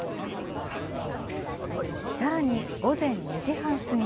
さらに、午前２時半過ぎ。